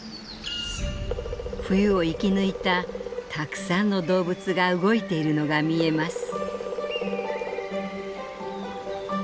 冬を生きぬいたたくさんの動物が動いているのが見えます」。